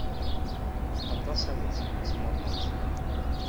Aṭas aya seg wasmi ur nemmẓir.